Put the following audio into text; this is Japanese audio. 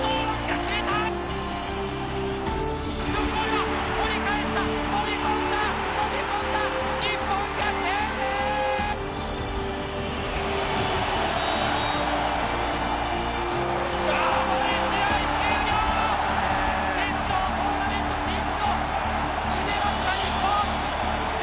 決勝トーナメント進出を決めました、日本！